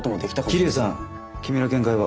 桐生さん君の見解は？